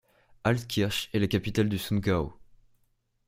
Altkirch est la capitale du Sundgau.